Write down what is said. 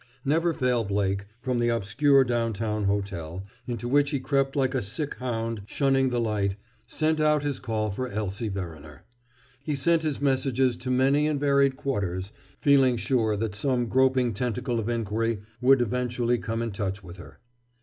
Never Fail Blake, from the obscure downtown hotel, into which he crept like a sick hound shunning the light, sent out his call for Elsie Verriner. He sent his messages to many and varied quarters, feeling sure that some groping tentacle of inquiry would eventually come in touch with her.